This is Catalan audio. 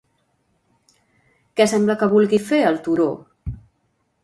Què sembla que vulgui fer el turó?